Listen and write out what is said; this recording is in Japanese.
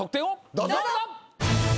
どうぞ！